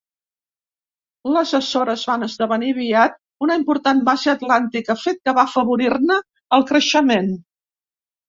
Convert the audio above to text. Les Açores van esdevenir aviat una important base atlàntica, fet que va afavorir-ne el creixement.